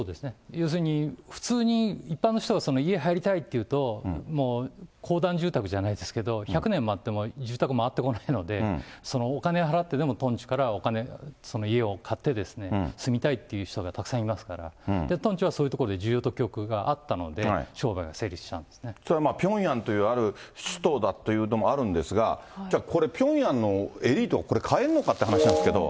要するに普通に、一般の人が家に入りたいっていうと、もう公団住宅じゃないですけど、１００年待っても住宅回ってこないので、そのお金を払ってでもトンチュからお金、その家を買って、住みたいという人がたくさんいますから、トンチュはそういうところで需要と供給があったので、それはピョンヤンというある首都だというのもあるんですけど、これピョンヤンのエリートが買えるのかって話なんですけど。